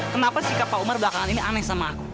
kenapa sikap pak umar belakangan ini aneh sama aku